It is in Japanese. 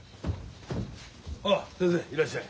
あっ先生いらっしゃい。